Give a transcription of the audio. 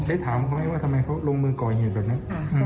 ได้ถามเขาไหมว่าทำไมเขาลงมือก่อเหตุแบบนั้น